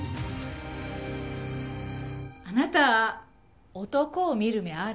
あなた男を見る目あるね。